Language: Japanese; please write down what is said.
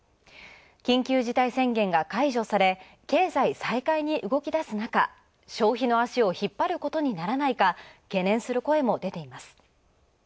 緊急事態宣言が解除され経済再開に動きだす中、消費の足を引っ張ることにならないか懸念する声も出ています。